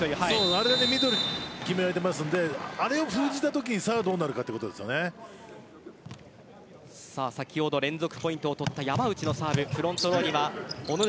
あれだけミドル、決められていますのであれを封じられたときにさあどうなるか先ほど連続ポイントを取った山内のサーブ。